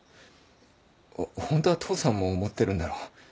ホントは父さんも思ってるんだろ？